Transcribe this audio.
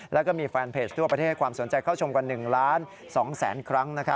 แล้วก็มีแฟนเพจทั่วประเทศให้ความสนใจเข้าชมกว่า๑ล้าน๒แสนครั้ง